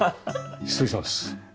失礼します。